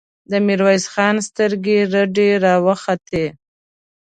د ميرويس خان سترګې رډې راوختې!